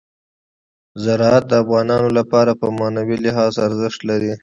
زراعت د افغانانو لپاره په معنوي لحاظ ارزښت لري.